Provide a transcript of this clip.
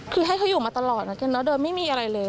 คือให้เขาอยู่มาตลอดแล้วเดินไม่มีอะไรเลย